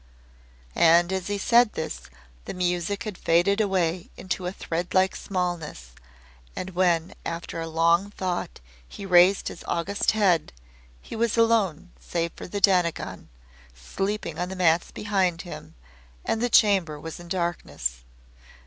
And as he said this the music had faded away into a thread like smallness, and when after long thought he raised his august head, he was alone save for the Dainagon, sleeping on the mats behind him, and the chamber was in darkness.